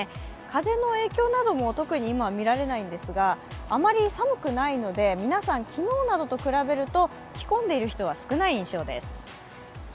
風の影響なども特に今は見られないんですが、あまり寒くないので、皆さん昨日などと比べると着込んでいる人は少ない印象です。